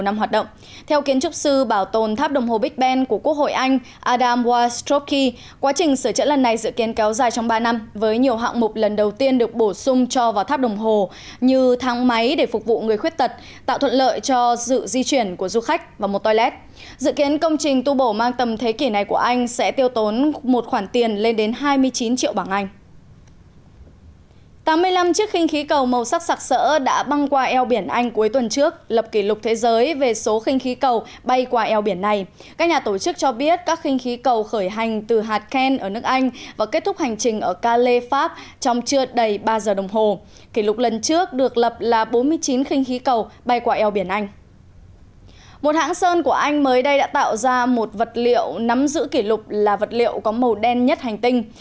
một hãng sơn của anh mới đây đã tạo ra một vật liệu nắm giữ kỷ lục là vật liệu có màu đen nhất hành tinh